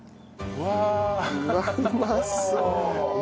うわっうまそう。